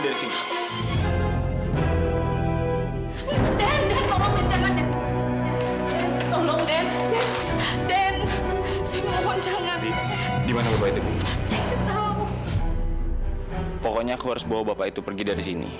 nanti aku belain pokoknya aku harus bawa bapak itu pergi dari sini